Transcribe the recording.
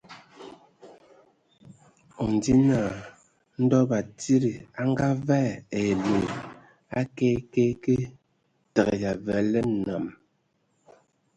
O ndzi naa ndɔ batsidi a ngavaɛ ai loe a kɛɛ kɛé kɛɛ, tǝgǝ ai avǝǝ lǝ nam.